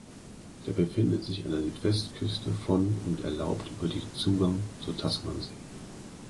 Der befindet sich an der Südwestküste von und erlaubt über die Zugang zur Tasmansee.